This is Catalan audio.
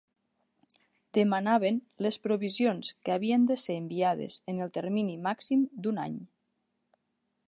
Demanaven les provisions que havien de ser enviades en el termini màxim d'un any.